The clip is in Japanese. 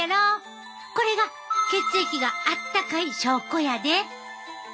これが血液があったかい証拠やで。